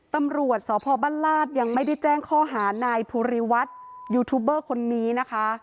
ตำรวจสพบ้านลาดยังไม่ได้แจ้งข้อหานายภูริวัฒน์ยูทูบเบอร์คนนี้นะคะ